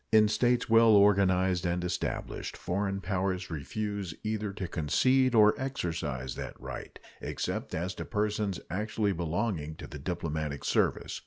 In states well organized and established, foreign powers refuse either to concede or exercise that right, except as to persons actually belonging to the diplomatic service.